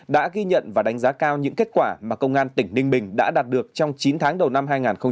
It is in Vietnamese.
đã ghi nhận và đánh giá cao những kết quả mà công an tỉnh ninh bình đã đạt được trong chín tháng đầu năm hai nghìn hai mươi ba